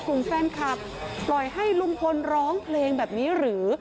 กลุ่มแฟนคลับปล่อยให้ลุงพลร้องเพลงแบบนี้หรือ